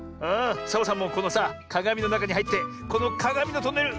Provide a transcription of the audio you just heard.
サボさんもこのさかがみのなかにはいってこのかがみのトンネル